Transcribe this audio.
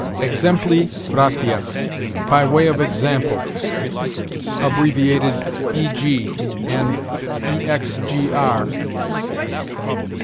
Exempli gratia: by way of example; abbreviated, e. g., and _ex. gr.